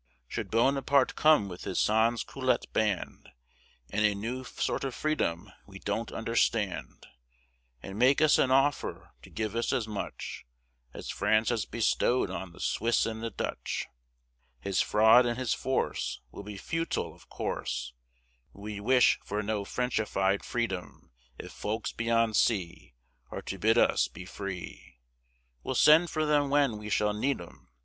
Should Buonapart' come with his sans culotte band, And a new sort of freedom we don't understand, And make us an offer to give us as much As France has bestow'd on the Swiss and the Dutch, His fraud and his force Will be futile of course; We wish for no Frenchified Freedom: If folks beyond sea Are to bid us be free, We'll send for them when we shall need 'em.